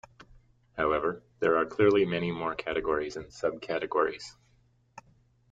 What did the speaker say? However, there are clearly many more categories and sub-categories.